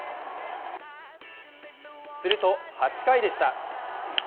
すると８回でした。